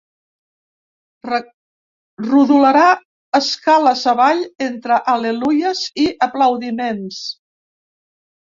Rodolarà escales avall entre al·leluies i aplaudiments.